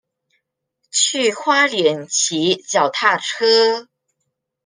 去花蓮騎腳踏車